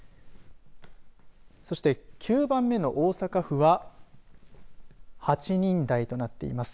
そして９番目の大阪府は８人台となっています。